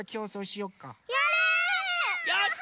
よし！